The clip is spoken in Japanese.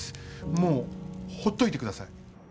もう、ほっといてください。